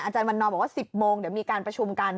วันนอบอกว่า๑๐โมงเดี๋ยวมีการประชุมกัน